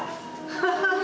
ハハハハ。